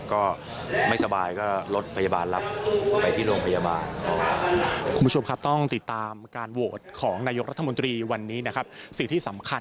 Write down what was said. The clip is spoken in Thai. ก็ไม่สบายก็ลดพยาบาลรับไปที่โรงพยาบาล